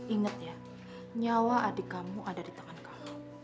ingat ya nyawa adik kamu ada di tangan kamu